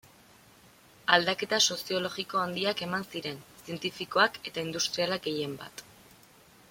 Aldaketa soziologiko handiak eman ziren, zientifikoak eta industrialak gehienbat.